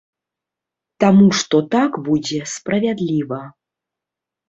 Таму што так будзе справядліва.